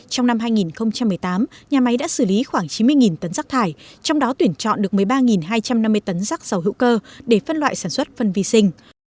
trong năm hai nghìn một mươi tám nhà máy đã xử lý khoảng chín mươi tấn rác thải trong đó tuyển chọn được một mươi ba hai trăm năm mươi tấn rác dầu hữu cơ để phân loại sản xuất phân vi sinh